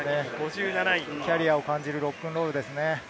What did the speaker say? キャリアを感じるロックンロールですね。